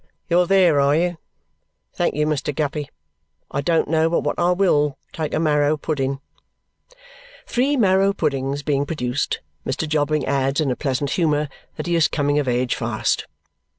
"You're there, are you? Thank you, Mr. Guppy, I don't know but what I WILL take a marrow pudding." Three marrow puddings being produced, Mr. Jobling adds in a pleasant humour that he is coming of age fast.